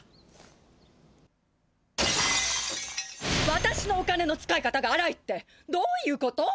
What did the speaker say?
わたしのお金の使い方があらいってどういうこと？